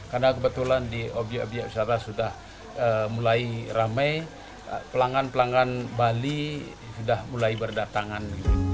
karena kebetulan di obyek obyek wisata sudah mulai ramai pelanggan pelanggan bali sudah mulai berdatangan